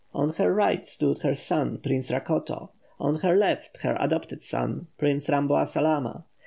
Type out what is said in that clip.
On her right stood her son, Prince Rakoto; on her left, her adopted son, Prince Ramboasalama.